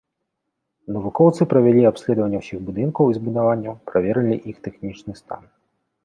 Навукоўцы правялі абследаванне ўсіх будынкаў і збудаванняў, праверылі іх тэхнічны стан.